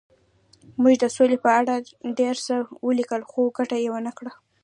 موږ د سولې په اړه ډېر څه ولیکل خو ګټه یې ونه کړه